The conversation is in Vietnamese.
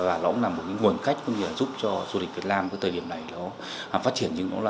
và nó cũng là một nguồn cách giúp cho du lịch việt nam ở thời điểm này phát triển